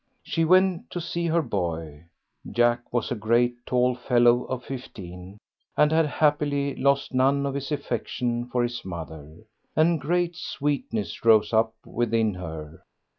She went to see her boy. Jack was a great tall fellow of fifteen, and had happily lost none of his affection for his mother, and great sweetness rose up within her.